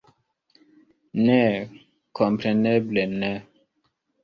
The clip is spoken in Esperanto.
Ne, kompreneble ne!